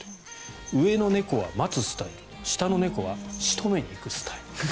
上の猫は待つスタイル下の猫は仕留めに行くスタイル。